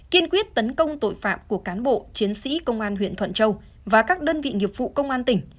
kiên quyết tấn công tội phạm của cán bộ chiến sĩ công an huyện thuận châu và các đơn vị nghiệp vụ công an tỉnh